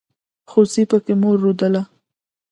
خوسي پکې مور رودله.